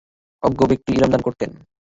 অজ্ঞ ব্যক্তিকে ইলম দান করতেন।